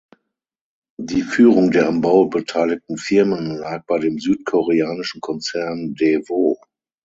Die Führung der am Bau beteiligten Firmen lag bei dem südkoreanischen Konzern Daewoo.